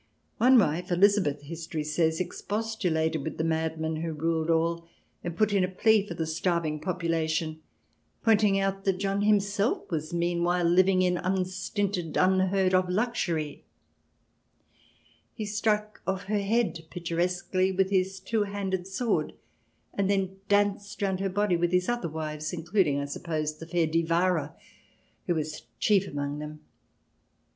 One wife, Elizabeth, history says, expostulated with the madman who ruled all, and put in a plea for the starving population, pointing out that John himself was meanwhile living in unstinted, unheard of luxury. He struck off her head pictur CH. xviii] ANABAPTISTS 255 esquely with his two handed sword, and then danced round her body with his other wives, including, I suppose, the fair Divara, who was chief among them.